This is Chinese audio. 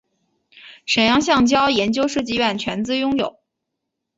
沈阳橡胶研究设计院全资拥有。